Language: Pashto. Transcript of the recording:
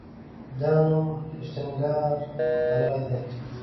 دا نوم هشتنګار بللی دی.